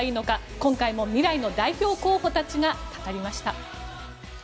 今回も未来の代表候補たちが語りました。